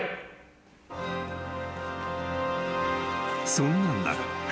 ［そんな中］